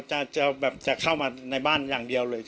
จะแบบจะเข้ามาในบ้านอย่างเดียวเลย